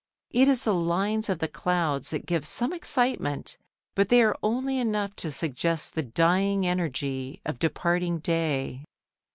It is the lines of the clouds that give some excitement, but they are only enough to suggest the dying energy of departing day.